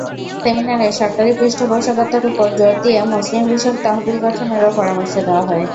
সেমিনারে সরকারি পৃষ্ঠপোষকতার ওপর জোর দিয়ে মসলিন বিষয়ক তহবিল গঠনেরও পরামর্শ দেওয়া হয়।